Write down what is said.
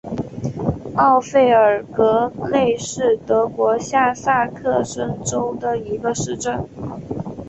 奥费尔格内是德国下萨克森州的一个市镇。